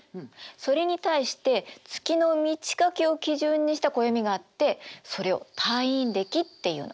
それに対して月の満ち欠けを基準にした暦があってそれを太陰暦っていうの。